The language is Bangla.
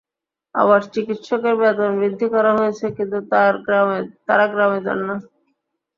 আবার চিকিৎসকদের বেতন বৃদ্ধি করা হয়েছে, কিন্তু তাঁরা গ্রামে যান না।